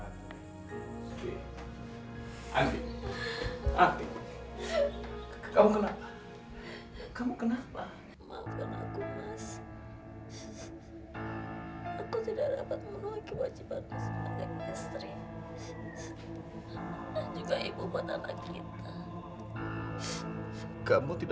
cepat panggil bapak kamu